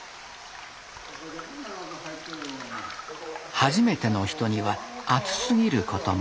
初めての人には熱すぎることも。